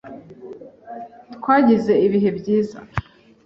Twagize ibihe byiza.